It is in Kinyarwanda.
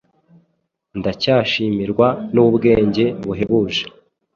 Ndacyashimirwa n'ubwenge buhebuje,